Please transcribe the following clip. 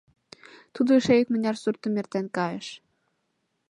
Тудо эше икмыняр суртым эртен кайыш.